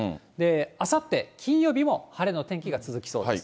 あさって金曜日も晴れの天気が続きそうです。